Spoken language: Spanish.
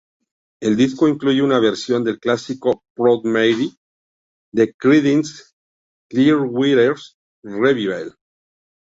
El disco incluye una versión del clásico "Proud Mary" de Creedence Clearwater Revival.